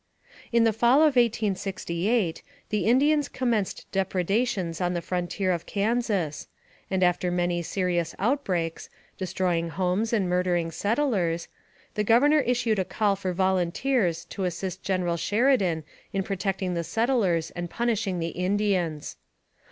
In the fall of 1868, the Indians commenced depre dations on the frontier of Kansas, and after many serious outbreaks, destroying homes and murdering settlers, the Governor issued a call for volunteers to assist General Sheridan in protecting the settlers and punishing the Indians.